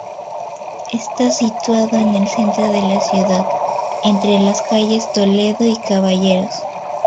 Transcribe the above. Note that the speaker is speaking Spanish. Está situado en el centro de la ciudad, entre las calles Toledo y Caballeros.